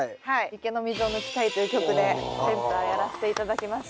「池の水を抜きたい」という曲でセンターやらせて頂きました。